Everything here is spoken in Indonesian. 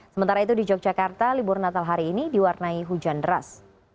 sementara itu di yogyakarta libur natal hari ini diwarnai hujan deras